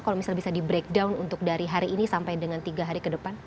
kalau misalnya bisa di breakdown untuk dari hari ini sampai dengan tiga hari ke depan